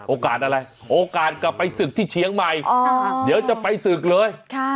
โอกาสอะไรโอกาสกลับไปศึกที่เชียงใหม่เดี๋ยวจะไปศึกเลย